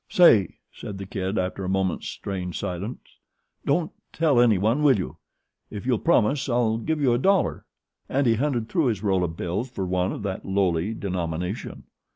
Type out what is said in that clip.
"Say," said The Kid, after a moment's strained silence. "Don't tell anyone, will you? If you'll promise I'll give you a dollar," and he hunted through his roll of bills for one of that lowly denomination.